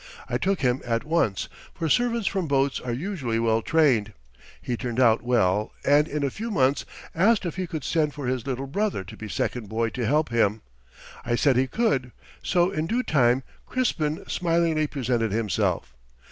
I took him at once, for servants from boats are usually well trained. He turned out well, and in a few months asked if he could send for his little brother to be second boy to help him. I said he could, so in due time Crispin smilingly presented himself.